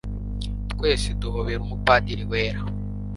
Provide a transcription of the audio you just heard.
twese duhobera umupadiri wera